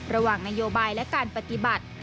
ระหว่างนโยบายและการปฏิบัติ